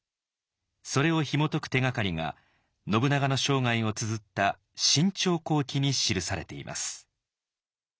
それをひもとく手がかりが信長の生涯をつづった「信長公記」に記されています。